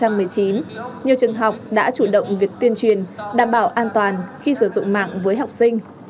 nhiều trường học đã chủ động việc tuyên truyền đảm bảo an toàn khi sử dụng mạng với học sinh